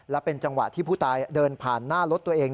และเป็นจังหวะที่ผู้ตายเดินผ่านหน้ารถตัวเอง